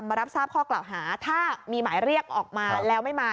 รับทราบข้อกล่าวหาถ้ามีหมายเรียกออกมาแล้วไม่มา